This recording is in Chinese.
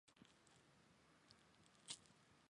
科伊桑人等原住民居住在该地区达数千年之久。